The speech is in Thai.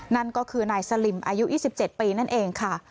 นั่นก็คือนายสลิมอายุยี่สิบเจ็ดปีนั่นเองค่ะ